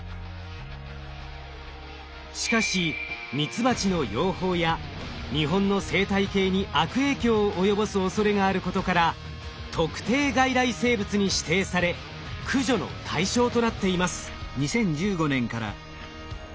しかしミツバチの養蜂や日本の生態系に悪影響を及ぼす恐れがあることから「特定外来生物」に指定され駆除の対象となっています。